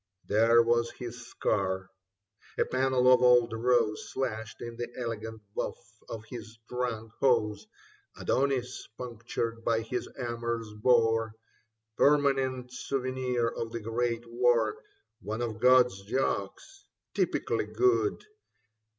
There was his scar, a panel of old rose Slashed in the elegant buff of his trunk hose ; Adonis punctured hy his amorous boar, Permanent souvenir of the Great War. One of God's jokes, typically good.